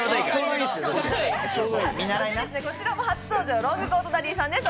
こちらも初登場ロングコートダディさんです。